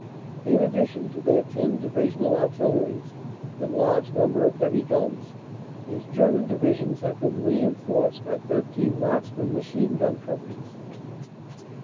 In addition to their 10 Divisional Artilleries and large number of heavy guns, these German Divisions had been rein forced by 13 Marksmen Machine Gun Companies.